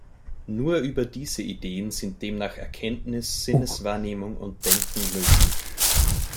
Nur über diese Ideen sind demnach Erkenntnis, Sinneswahrnehmung und Denken möglich.